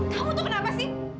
kamu tuh kenapa sih